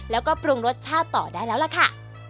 แล้วก็ปรุงรสชาติต่อได้แล้วล่ะค่ะ